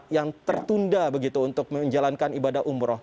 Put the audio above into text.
yang tertunda begitu untuk menjalankan ibadah umroh